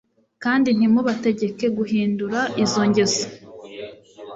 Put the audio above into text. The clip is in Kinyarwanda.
kandi ntimubategeke guhindura izo ngeso